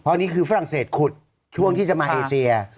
อันนี้คือฝรั่งเศสขุดช่วงที่จะมาเอเซีย